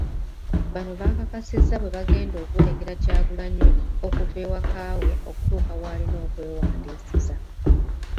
Bano baakakasizza bwe bagenda okuwerekera Kyagulanyi okuva ewaka we okutuuka w'alina okwewandiisiza